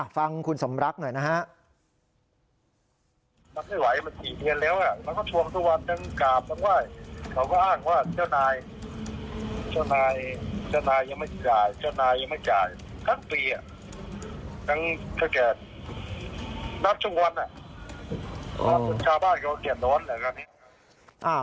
ฟังคุณสมรักหน่อยนะฮะ